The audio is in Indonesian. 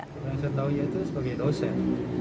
yang saya tahu dia itu sebagai dosen